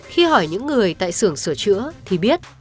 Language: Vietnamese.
khi hỏi những người tại xưởng sửa chữa thì biết